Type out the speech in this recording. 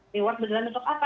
reward dalam bentuk apa